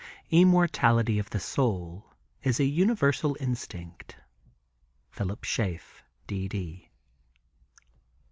Immortality of the soul is an universal instinct. _Phil. Schaff, D. D.